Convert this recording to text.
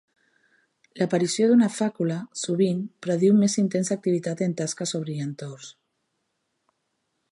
L'aparició d'una fàcula, sovint, prediu una més intensa activitat en taques o brillantors.